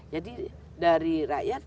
jadi dari rakyat